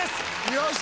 よし！